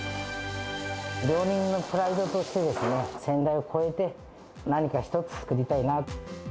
料理人のプライドとして先代をこえて、何か一つ作りたいな。